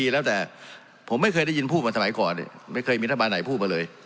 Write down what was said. แล้วแต่ผมไม่เคยได้ยินพูดมาสมัยก่อนไม่เคยมีรัฐบาลไหนพูดมาเลย